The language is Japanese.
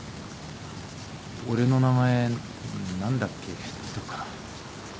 俺の名前何だっけ？とか。